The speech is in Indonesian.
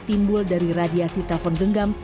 timbul dari radiasi telepon genggam